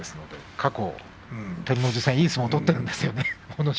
過去、照ノ富士戦いい相撲を取っているんですよね阿武咲。